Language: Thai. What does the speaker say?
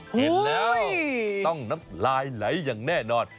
เห็นแล้วต้องน้ำลายไหลอย่างแน่นอน